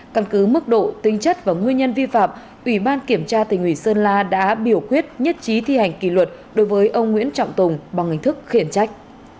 căn cứ mức độ tinh chất và nguyên nhân vi phạm ủy ban kiểm tra tỉnh ủy sơn la đã biểu quyết nhất trí thi hành kỷ luật đối với ông nguyễn trọng tùng bằng hình thức khiển trách